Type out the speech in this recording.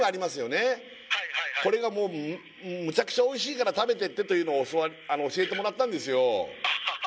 ☎はいはいはいこれがもうむちゃくちゃおいしいから食べてってというのを教えてもらったんですよ